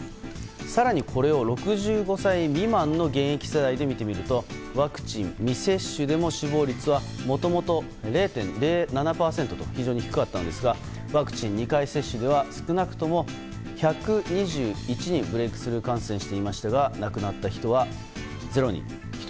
更にこれを６５歳未満の現役世代で見てみるとワクチン未接種でも死亡率はもともと０．０７％と非常に低かったんですがワクチン２回接種では少なくとも１２１人がブレークスルー感染をしていましたが亡くなった人は０人。